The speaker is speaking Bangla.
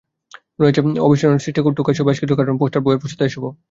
রয়েছে তাঁর অবিস্মরণীয় সৃষ্টি টোকাইসহ বেশ কিছু কার্টুন, পোস্টার, বইয়ের প্রচ্ছদ এসবও।